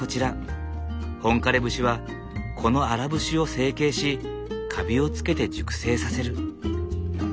本枯節はこの荒節を整形しかびをつけて熟成させる。